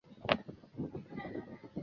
大埔道于郝德杰道后通往琵琶山段。